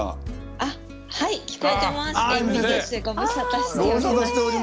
あっはい聞こえてます。